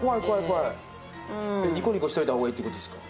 ニコニコしといた方がいいって事ですか？